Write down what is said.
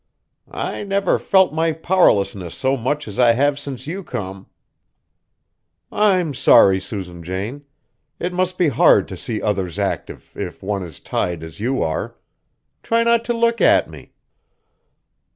"I never felt my powerlessness so much as I have since you come." "I'm sorry, Susan Jane. It must be hard to see others active, if one is tied as you are. Try not to look at me."